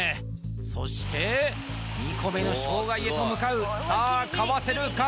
そして２個目の障害へと向かうさあかわせるか？